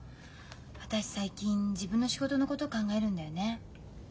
私最近自分の仕事のこと考えるんだよね。